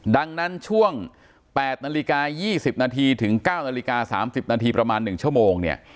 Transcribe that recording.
ดังนั้นช่วง๘นาฬิกา๒๐นาทีถึง๙นาฬิกา๓๐นาทีประมาณ๑ชั่วโมงเนี่ย